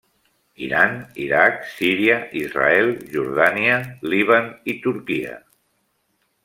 Iran, Iraq, Síria, Israel, Jordània, Líban i Turquia.